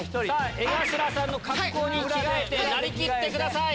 江頭さんの格好に着替えてなりきってください。